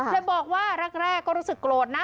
บอกว่าแรกก็รู้สึกโกรธนะ